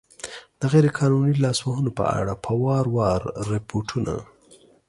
د غیر قانوني لاسوهنو په اړه په وار وار ریپوټون